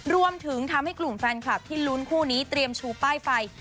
รวมถึงทำให้กลุ่มแฟนคลับที่ลุ้นคู่นี้เตรียมชูป้ายไฟ